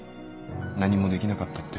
何もできなかったって。